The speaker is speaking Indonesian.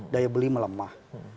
daya beli melemah